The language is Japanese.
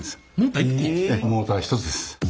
モーターは１つです。